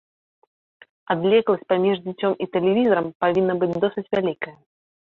Адлегласць паміж дзіцём і тэлевізарам павінна быць досыць вялікая.